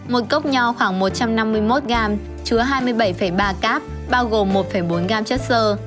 một cốc nho khoảng một trăm năm mươi một gram chứa hai mươi bảy ba cáp bao gồm một bốn gam chất sơ